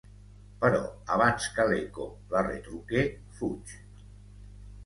Però abans que l'eco la retruque, fuig.